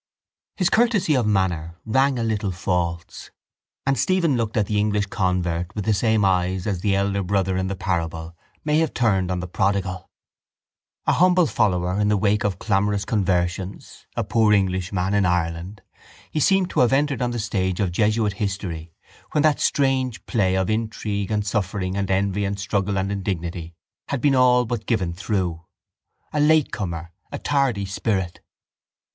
His courtesy of manner rang a little false and Stephen looked at the English convert with the same eyes as the elder brother in the parable may have turned on the prodigal. A humble follower in the wake of clamorous conversions, a poor Englishman in Ireland, he seemed to have entered on the stage of jesuit history when that strange play of intrigue and suffering and envy and struggle and indignity had been all but given through—a latecomer, a tardy spirit.